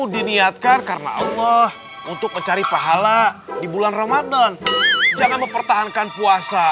diniatkan karena allah untuk mencari pahala di bulan ramadan jangan mempertahankan puasa